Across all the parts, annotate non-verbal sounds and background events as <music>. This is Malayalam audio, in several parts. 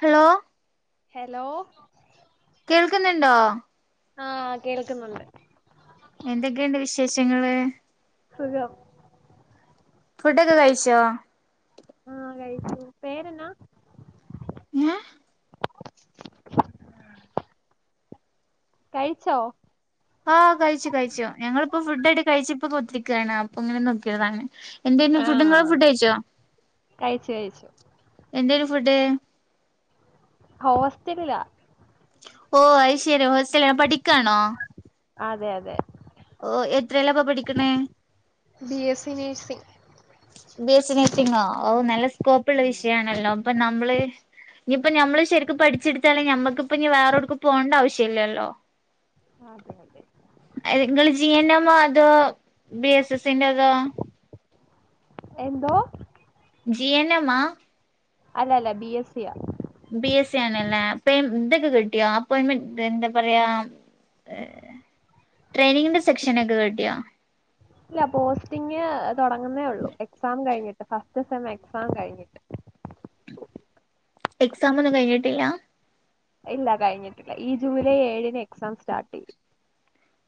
ഹലോ? ഹെലോ? കേൾക്ക്‌ന്ന്ണ്ടോ? ആഹ്‌ കേൾക്ക്‌ന്നുണ്ട്. എന്തെക്കെയ്ണ്ട് വിശേഷങ്ങള്? സുഖം. ഫുഡൊക്കെ കഴിച്ചോ? ആഹ് കഴിച്ചു പേരെന്നാ? ഏഹ്? കഴിച്ചോ? ആഹ് കഴിച്ച് കഴിച്ചു ഞങ്ങളിപ്പോ ഫുഡക്കെ കഴിച്ചിപ്പ കുത്തിരിക്കാണ് അപ്പങ്ങനെ നോക്കിയതാണ്. എന്തേര്ന്ന് ഫുഡ് ങ്ങള് ആഹ് ഫുഡഴിച്ചോ കഴിച്ച് എന്തേര്ന്ന് ഫുഡ്? ഹോസ്റ്റലിലാ. ഓ അയ് ശെരി ഹോസ്റ്റലി പഠിക്കാണോ? അതെയതെ. ഓ എത്രേലപ്പൊപഠിക്കണേ? B S C nursing. B S C നേർസിംങ്ങോ ഓ നല്ല സ്കോപ്പൊള്ള വിഷയാണല്ലോ അപ്പ നമ്മള് ഇനിപ്പ നമ്മള് ശെരിക്കു പഠിച്ചെടുത്താലെ ഞമ്മക്കിപ്പനി വേറോടുക്ക് പോണ്ട ആവിശ്യല്ലല്ലോ? ആതെ അതെ. ഏഹ് ങ്ങള് ജി എൻ എം ഓ അതോ ബി എസ് എസ്സിന്റെതോ? എന്തോ? ജി എന്നമ്മാ? അല്ലല്ല ബി എസ് സിയാ. ബി എസ് സി യാണല്ലേ അപ്പ ഇതക്കെ കിട്ടിയോ അപ്പോയിമെന്റ് എന്താ പറയാ? ഏഹ് ട്രെയിനിങ്ങിന്റെ സെക്ഷനക്കെ കിട്ടിയാ? ഇല്ല പോസ്റ്റിംഗ് തൊടങ്ങുന്നേ ഉള്ളൂ എക്സാം കഴിഞ്ഞിട്ട് ഫസ്റ്റ് സെമ്മ് എക്സാം കഴിഞ്ഞിട്ട്. എക്സാമൊന്നും കഴിഞ്ഞിട്ടില്ല? ഇല്ല കഴിഞ്ഞിട്ടില്ല ഈ ജൂലൈ ഏഴിന് എക്സാം സ്റ്റാർട്ടെയ്യും.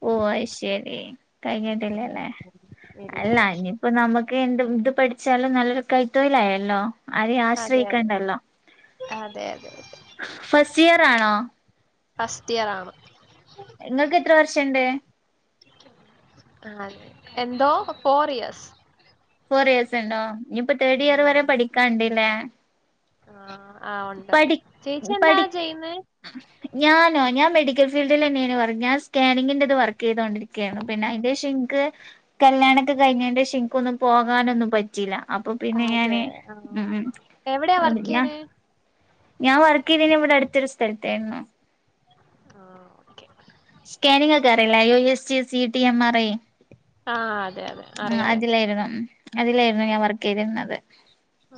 ഓ അയ്ശരി കഴിഞ്ഞിട്ടിലലെ അല്ല ഇല്ലില്ല അനി പ്പൊ നമുക്ക് എന്ത് ഇത് പഠിച്ചാലും നല്ലൊരു കൈ തൊഴിലായല്ലോ അതെ അതെ അതെ അതെ അതെ ഫസ്റ്റ് ഇയർ ആണോ? ഫസ്റ്റ് ഇയറാണ് ഇങ്ങക്ക് എത്ര വർഷണ്ട്? ആഹ് എന്തോ ഫോർ ഇയേഴ്‌സ് ഫോർ ഇയേഴ്‌സിണ്ടോ ഇനിയിപ്പ തേർഡ് ഇയർ ഉം വരെ പഠിക്കാണ്ടല്ലേ ആഹ് ആഹ് ഒണ്ട് ചേച്ചി എന്താ പഠി ചെയ്യുന്നെ? ഞാനോ ഞാൻ മെഡിക്കൽ ഫീൽഡിലന്നേനോ വർക്ക് ഞാൻ സ്കാനിങ്ങിന്റത് വർക്ക് ചെയ്തോണ്ടിരി ക്കെയാണ് പിന്നെ അയിന്റെ ശം എനിക്ക് കല്യാണൊക്ക കഴിഞ്ഞേന്റെഷം എനിക്ക് ഒന്നും പോകാനൊന്നും പറ്റീല അപ്പൊ പിന്നെ അതെ ഞാന് ആ മ്മ് മ്മ് എവിടെയാ അത് വർക്ക് പിന്ന ചെയ്യണേ ഞാൻ വർക്ക് ചെയ്തിന ഇവിടടുത്തൊരു സ്ഥലത്തായിരുന്നു ആഹ് ഓക്കെ സ്കാനിങ് ഒക്കെ അറിയില്ലേ യു എസ് ഈ C T M R I ആഹ് അതെ അതെ അഹ് അറിയാം അറിയാം അതിലേരുന്നു അതിലേരുന്നു ഞാൻ വർക്ക് യ്തിരുന്നത്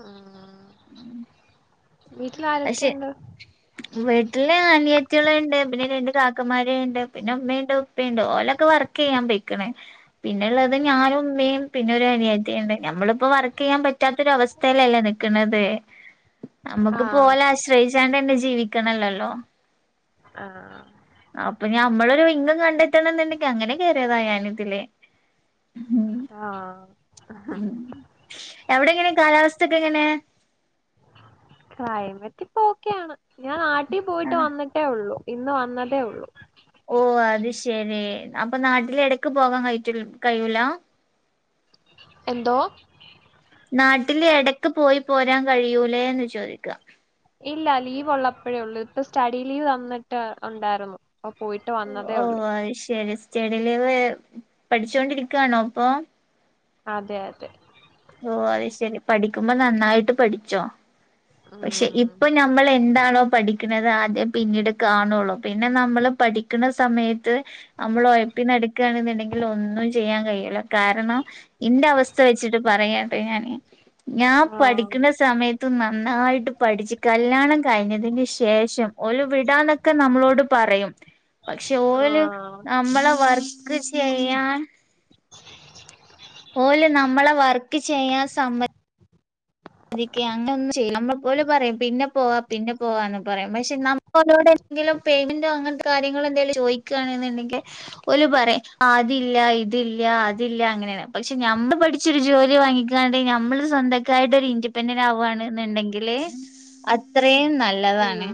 അഹ് പക്ഷെ വീട്ടിലാരൊക്കെയൊണ്ട്? വീട്ടില് അനിയത്തികള് ഇണ്ട് പിന്നെ രണ്ട് കാക്കമാര് ഇണ്ട് പിന്ന ഉമ്മയുണ്ട് പ്പയുണ്ട് ഓലൊക്ക വർക്കെയ്യാൻ പൊയ്ക്ക്ണ് പിന്നെവുള്ളത് ഞാനും ഉമ്മയും പിന്നൊരു അനിയത്തിയിണ്ട് ഞമ്മളിപ്പോ വർക്കെയ്യാൻ പറ്റാത്ത ഒരവസ് സ്തേലല്ലേ നിക്കുന്നത് ആ നമ്മക്ക് ആശ്രയിച്ചാണ്ടന്നെ ജീവിക്കണല്ലല്ലോ ആ അ അപ്പൊ ഞമ്മളൊരു ഇൻകം കണ്ടെത്തണം എന്നുണ്ടക്കെ അങ്ങനെ കേറിയതാ ഞാനിതില് മ്മ് ആഹ് അഹ് അവിടെങ്ങനെ കാലാവസ്ഥക്കെ എങ്ങനെ? ക്ലൈമറ്റിപ്പ ഓക്കെയാണ് ഞാൻ നാട്ടി പോയിട്ട് ആണോ വന്നി ട്ടേ ഒള്ളൂ ഇന്ന് വന്നതേ ഒള്ളൂ ഓ അത് ശെരി അപ്പൊ നാട്ടിൽ എടക്ക് പോകാൻ കഴിറ്റിൽ കഴൂലാ എന്തോ? നാട്ടില് എടക്ക് പോയി പോരാൻ കഴിയൂലേ എന്ന് ചോദിക്കാ ഇല്ലാ ലീവ് ഒള്ളപ്പോഴേ ഒള്ളൂ ഇപ്പൊ സ്റ്റഡി ലീവ് തന്നിട്ട് ഒണ്ടാരുന്നു പ്പ പോയിട്ട് വന്നതേ ഒള്ളു അയ്ശരി സ്റ്റഡിലീവ് പഠിച്ചോണ്ടിരിക്കാണോ അപ്പോ? അതെ അതെ ഓ അത് ശരി പഠിക്കുമ്പോ നന്നായിട്ട് പഠിച്ചോ പക്ഷെ ഉം ഇപ്പൊ ഞ മ്മള് എന്താണോ പഠിക്കുന്നത് അതെ പിന്നീട് കാണുള്ളൂ പിന്നെ നമ്മള് പഠിക്കുന്ന സമയ ത്ത് നമ്മളൊയപ്പിനടക്കാണെന്നുണ്ടെങ്കിൽ ഒന്നും ചെയ്യാൻ കഴി. യൂല കാരണം എന്റ അവസ്ഥ വെച്ചിട്ട് പറയാട്ടൊ ഞാന് ഞാൻ ആ പഠിക്കുന്ന സമയ ത്ത് നന്നായിട്ട് പഠിച്ച് കല്യാണം കഴിഞ്ഞതിന് ശേഷം ഓരു വിടാന്നൊക്ക നമ്മളോട് പറയും പക്ഷെ ആ ഓല് നമ്മളെ വർക്ക് ചെയ്യാൻ ഓല് നമ്മളെ വർക്ക് ചെയ്യാൻ സമ്മ തിക്കെ അങ്ങനൊന്നും ചെയ്യി നമ്മൾ ഓല് പറയും പിന്ന പോവാ പിന്ന പോവാന്ന് പറയും പക്ഷെ നമ്മ് ഓരോട് എന്തെങ്കിലും പേയ്മെന്റൊ അങ്ങനത്ത കാര്യങ്ങളെന്തേലും ചോയിക്കാണെന്നുണ്ടെങ്കി ഓല് പറയും അതില്ലാ ഇതില്ലാ അതില്ലാ അങ്ങനെയാണ് പക്ഷെ ഞമ്മള് പഠി ച്ചൊരു ജോലി വാങ്ങിക്കാണ്ടെ ഞമ്മള് സ്വന്തക്കായിട്ടൊരു ഇ ദിപ്പന്റടാവുവാണ്ന്ന്ണ്ടെങ്കില് അത്രേം നല് ആഹാ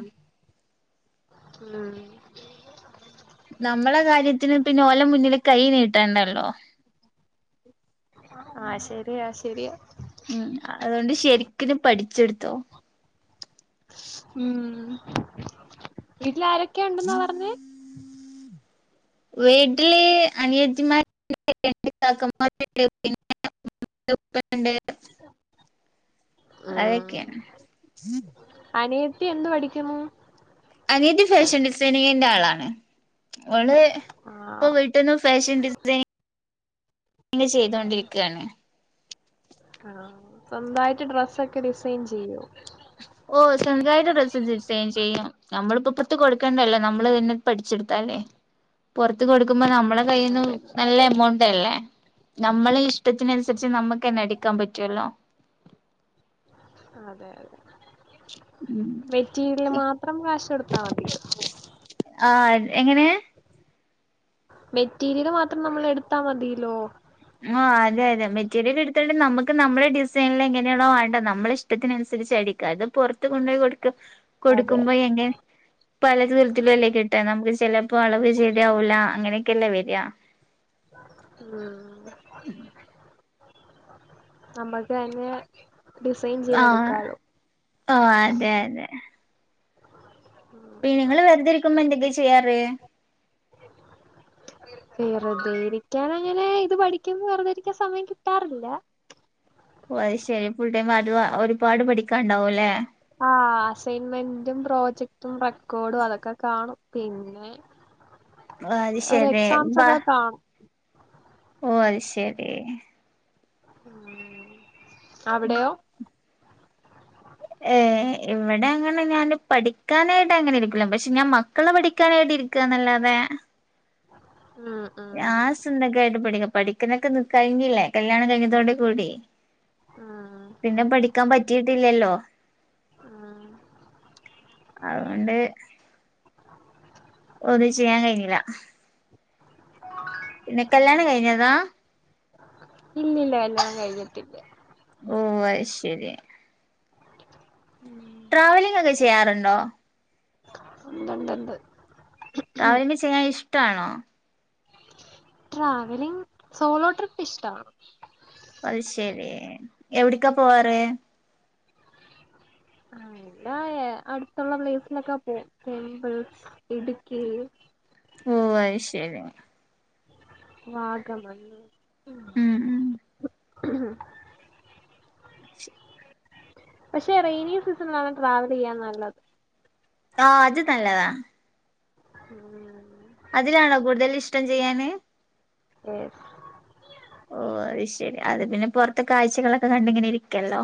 ആഹ് നമ്മളെ കാര്യത്തിന് പിന്നോല മുന്നില് കൈ നീട്ടണ്ടല്ലോ ആ ശെരിയാ ശെരിയ ഉം അതുകൊണ്ട് ശരിക്കിന് പഠിച്ചെടുത്തോ ഉം വീട്ടിലാര വീട്ടി അനിയത്തിമാ <unintelligible> ആഹ് അതെക്കെയാണ് അനിയത്തി എന്ത് പഠിക്കുന്നു? അനിയത്തി ഫേഷൻ ഡിസൈനിങ്ങിന്റെ ആളാണ് ഓള് ഇപ്പൊ ആഹ് വീട്ടീന്ന് ഫാഷൻ ഡിസൈ ന് ചെയ്തോണ്ടിരിക്കാണ് ആഹ് സ്വന്തായിട്ട് ഡ്രസ്സൊക്കെ ഡിസൈൻ ചെയ്യോ? ഓ സ്വന്തായിട്ട് ഡ്രസ്സ്‌ ഡിസൈൻ ചെയ്യും നമ്മളിപ്പോപത്ത് കൊടുക്കണ്ടല്ലോ നമ്മള് തന്നെ പഠിച്ചെടുത്താലേ പൊറത്ത് കൊടുക്കുമ്പോ നമ്മളെ കയ്ന്ന് അതെ നല്ല എമൗണ്ടല്ലേ നമ്മളെ ഇഷ്ടത്തിനനുസരിച്ച് നമുക്ക് തന്നെ അടിക്കാൻ പറ്റുവല്ലോ അതെ അതെ ശ് മെറ്റീരിയ മാത്രം കാശ് കൊടുത്താ മതി ആ എങ്ങനേ മെറ്റീരിയല് മാത്രം നമ്മള് എടുത്താ മതീ ല്ലോ ആ അതെ അതെ മെറ്റീരിയല് എടുത്തിട്ട് നമ്മക്ക് നമ്മുടെ ഡിസൈനില് എങ്ങനെയാണോ വേണ്ടെ നമ്മളിഷ്ട റ്റത്തിനനുസരിച്ചടിക്ക അത് പൊറത്ത് കൊണ്ടുപോയി കൊടുത്ത് അതെ കൊടുക്കുമ്പോ എങ്കിൽ പലത് വിലത്തി ലല്ലേ കിട്ടാ നമുക്ക് ചെല പ്പൊ അളവ് ശെരിയാവൂല അങ്ങനെക്കെല്ലേ വരിയ ഉം നമ്മൾടയിന് ആഹ് ഓ അതെ അതെ പ്പഈ നിങ്ങള് വെറുതെരിക്കുമ്പോ എന്തൊക്കെയാ ചെയ്യാറ് വെറുതെയിരിക്കാനങ്ങനെ ഇത് പഠിക്കുമ്പോ വെറുതെയിരിക്കാൻ സമയം കിട്ടാറില്ല ഓ അത് ശെരി ഫുൾ ടൈം അത് ഒരുപാട് പഠിക്കാണ്ടാവുംല്ലേ ആ അസൈൻമെന്റും പ്രോജക്ടും റെക്കോഡും അതൊക്കെക്കാണും പിന്നെ അത് ശെരി ബ ആഹ് ഓ അത് ശരി ഉം അവിടെയോ? ഏഹ് ഇവിടെ അങ്ങനെ ഞാൻ പഠിക്കാനായിട്ട് അങ്ങനെ ഇരിക്കൂല, പക്ഷെ ഞാൻ മക്കളെ പഠി ക്കാനായിട്ട് ഇരിക്കാനല്ലാതെ. ഉം ഉം ഞാൻ സ്വന്തക്കായിട്ട് പഠിക്ക, പഠിക്കുന്നതൊക്കെ കഴിഞ്ഞില്ലേ കല്യാണം കഴിഞ്ഞതോടുകൂടി. ഉം പിന്നെ പഠിക്കാൻ പറ്റിട്ടില്ലല്ലോ. ഉം അതുകൊണ്ട് ഒന്നും ചെയ്യാൻ കഴിഞ്ഞില്ല. കല്യാണം പിന്നെ കഴിഞ്ഞതാ ഇല്ലില്ല കല്യാണം കഴിഞ്ഞിട്ടില്ല. ഓ അയ് ശരിയാ. ഉം ട്രാവീലെ കഴിച്ച ആറണ്ണോ ഉതുണ്ട്ണ്ട് ട്രാവലി് ചെയ്യാൻ ഇഷ്ടാ ണോ ട്രാവലിംഗ് സോളോ ട്രിപ്പ് ഇഷ്ടമാണ് അത് ശരി എവിടക്കാ പോവാറ് <inaudible> ആല്ല അടുത്തുള്ള ബ്ലീഫിലൊക്കെ പോവൂമ്പഴ് ഇടുക്കിയിൽ ഓ അയ് ശരി വാഗമന്ന് ഉം ഉം ഉം പക്ഷെ റെയ്നിസീസണിലാണ് ട്രാവൽ ചെയ്യാൻ നല്ലത് ആ അത് നല്ലതാ ഉം അതിലാണോ കൂടുതൽ ഇഷ്ടം ചെയ്യാന് ഏഫ് ഓ അഹ് ശരി അത് പിന്നെ പൊറുത്ത കാ ഴ്ചകളൊക്കെ കണ്ട് ങ്ങനെ ഇരിക്കല്ലോ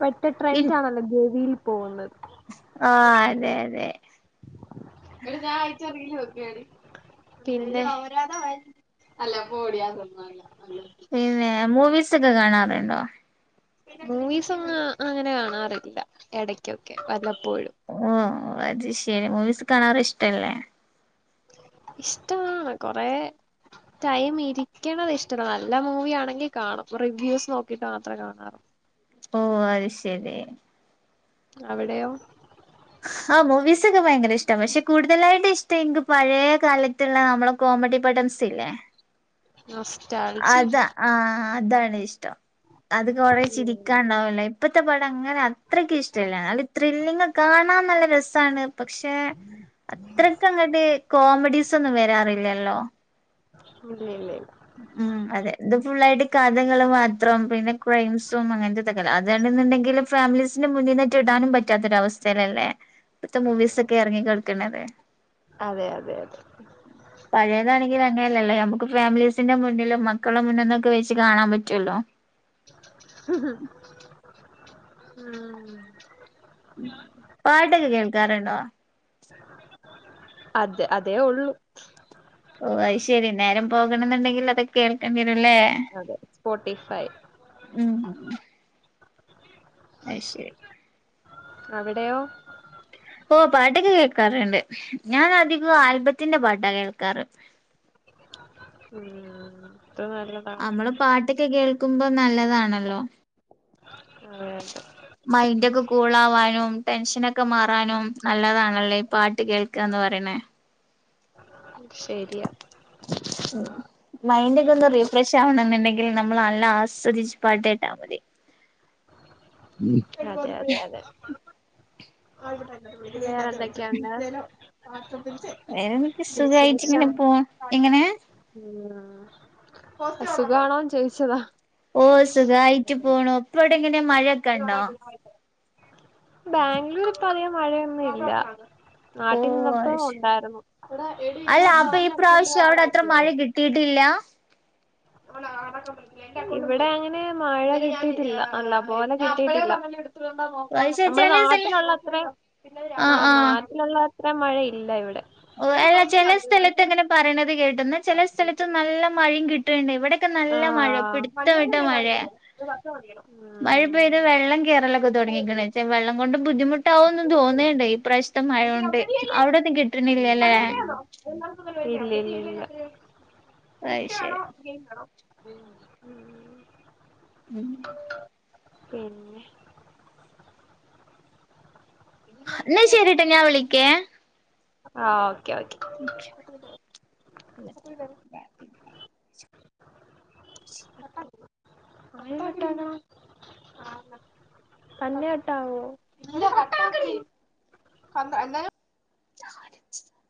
പെട്ട ട്രെൻഡ് ആണല്ലോ ഗു വിയിൽ പോകുന്നത് ആ അയന്നെഅയന്നെ എടി ഞാൻ അയച്ച് ആഹ് റീല് നോക്കാടി? പിന്നെ അല്ല പൊടി അതൊന്നുഅല്ല പിന്നെ മൂവീസ് ഒക്കെ കാണാറുണ്ടോ മൂവീസ് ഒന്നും അങ്ങനെ കാണാറില്ല എ ടക്കൊക്കെ വല്ലപ്പോഴും ഓ അത് ശരി മൂവീസ് കാണാറ് ഇഷ്ടല്ലേ ഇഷ്ടവാണ് കൊറേ ടൈം ഇരിക്കണത് ഇഷ്ടല്ല നല്ല മൂവി ആണെങ്കിൽ കാണും റിവ്യൂസ് നോക്കിട്ട് മാത്രേ കാണാറ് ഓ അഹ് ശരി അവിടെയോ ആ മൂവീസക്കെ ഭയങ്കര ഇഷ്ടപക്ഷെ കൂടുതലായിട്ട് ഇഷ്ട എനിക്ക് പഴയ കാലത്ത് നമ്മള കോമഡി പഡൻ സ് ഇല്ലേ നൊസ്റ്റാ ൾസി ആ അതാണ് ഇഷ്ടം അത് കൊറ ഇല്ല ചിരിക്കാണ്ടാവല്ലേ ഇപ്പത്തെ പടം അങ്ങനെ അത്രക്ക് ഇഷ്ടല്ല നല്ല ത്രില്ലിങ്ങ് കാണാൻ നല്ല രസാണ് പക്ഷെ അത്രക്കങ്ങണ്ട് കോമഡീസ് ന്നും വരാറില്ലല്ലോ ഇലൈയിലെ ഉം അതെ ഇത് ഫുുള്ളായിട്ട് കഥകും മാത്രം പിന്നെ കോഴിയിംസും അങ്ങനത്തെ അതാണെന്നുണ്ടെങ്കിലും ഫാമിലീസിന്റെ മുന്നിറ്റ് ഇടാനും പറ്റാത്തൊരവസ്ഥയിലല്ലേ. ഇപ്പത്തെ മൂവീസൊക്കെ ഇറങ്ങി കേൾക്കണല്ലേ. അതെ അതെ അതെ പഴയതാണങ്കിൽ അങ്ങനെലല്ലോ നമുക് ഫാമിലിസ് ത്തിന്റെ മുന്നിലും മക്കളുടെ മുന്ന് ന്നൊക്കെ വെച്ച് കാണാൻ പറ്റുല്ലോ. <unintelligible> പാട്ടൊക്കെ കേൾക്കാറുണ്ടോ? അത് അതേ ഒള്ളു. ഓ അത് ശരി നേരം പോകണന്നുണ്ടെങ്കിൽ അതൊക്കെ കേൾക്കേണ്ടിയിതല്ലേ. അതെ സ്പോട്ടിഫൈ. ഉം അയ് ശെരി. അവിടെയോ? ഓ പാട്ടൊക്കെ കേൾക്കാറുണ്ട്. ഞാൻ അധികോ ആൽബത്തിന്റെ പാട്ടാ കേൾക്കാറ്. <unintelligible> ഇത്ര നേരം നമ്മള് പാട്ട്ക്കെ കേൾക്കുമ്പോ നല്ലതാണല്ലോ. <unintelligible> മൈൻറ്റൊക്കെ കൂളാവാനും ടെൻഷനൊക്കെ മാറ്റ് റാനും നല്ലതാണല്ലേ ഈ പാട്ട് കേൾക്കാന്ന് പറയണേ. ശരിയാ. <inaudible> മൈൻഡ് ഒക്കെ ഒന്ന് റീഫ്രഷ് ആവണന്നുണ്ടെങ്കിൽ നമ്മള് നല്ല ആസ്വദിച്ച് പാട്ട് കേട്ടാ മതി. മ്മ് അതെ അതെ അതെ ആയ്ക്കോട്ടെ അങ്ങട്ട് വിളിക്കാം വേറെ എന്തെക്കെ ഉണ്ട്.. <unintelligible> പേരമ്മക്ക്‌ സുഖായിട്ട് ഇങ്ങനെ പോവും എങ്ങനേ? ഉ ആ സുഖാണോ ചോയിച്ചതാ? ഓ സുഖായിറ്റ് പോണു. ഇപ്പവ്ടെ ഇങ്ങനെ മഴ ബാംഗ്ലൂരിപ്പ അധികം മഴയൊന്നുല്ല. ഓ നാട്ടിൽ നിന്നപ്പോ അത് ശരി ഉണ്ടായിരുന്നു. ഇവ്ടെ എടി ഇതിനകത്ത് അവന്റെ അക്കൗണ്ട് ആഡായിട്ടില്ലേ? കിട്ടിട്ടില്ല. <unintelligible> ഇവിടെ അങ്ങനെ മഴ കിട്ടീട്ടില്ല. നല്ലപോലെ കിട്ടീട്ടില്ല. <unintelligible> നമ്മടെ വെച്ചാല് നാട്ടിലുള്ളത്രേം ആ ആഹ് മ ആഹ് ലുള്ള അത്ര മഴയില്ല ഇവിടെ. ഓ അല്ല ചെല സ്ഥലത്ത് അങ്ങനെ പറണത് കേട്ടു. എന്ന ചെല സ്ഥലത്ത് നല്ല മഴിം കിട്ടു ണുണ്ട് ഇവിടെക്കെ നല്ല മഴയാ. ആഹ് പിടുത്ത വിട്ട മഴയ. മഴ പെയ്ത് വെള്ളം കേറൽ തുടങ്ങിക്ണ്. വെള്ളം കൊണ്ട് ബുദ്ധിമുട്ടാവുന്ന തോന്നയിണ്ണ്ട് ഈ പ്രാവശ്യതെ മഴോണ്ട്. അവിടെന്ന് കിട് <unintelligible> ഇല്ലിലില്ല. അത് ശരി ഇഷ്ടാണോ ഗെയിം ആണോ? മ്മ് <unintelligible> പിന്നെ. ന്നാ പിന്നെ ശരിട്ടാ ഞാൻ വിളിക്കേ. ആ ഓക്കെ ഓക്കെ. <inaudible> <unintelligible> തെന്ന കട്ട് ആവോ? കാട്ടാക്കല്ല്. <unintelligible> <unintelligible>